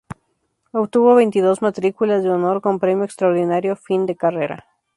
Obtuvo veintidós matrículas de honor con Premio Extraordinario Fin de Carrera.